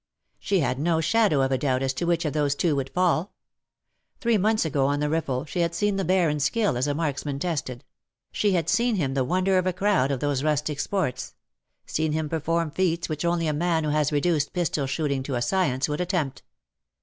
She had no shadow of doubt as to which of those two would fall. Three months ago on the Riff el she had seen the Baron^s skill as a marksman tested — she had seen him the wonder of the crowd at those rustic sports — seen him perform feats which only a man who has reduced pistol shooting to a science would attempt.